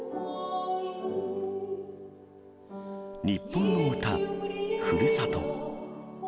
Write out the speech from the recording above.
日本の歌、ふるさと。